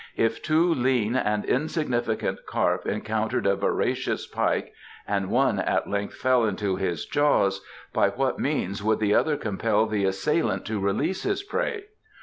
"If two lean and insignificant carp encountered a voracious pike and one at length fell into his jaws, by what means would the other compel the assailant to release his prey?"